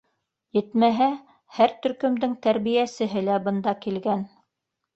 Етмәһә, һәр төркөмдөң тәрбиәсеһе лә бында килгән.